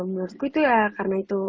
menurutku itu ya karena itu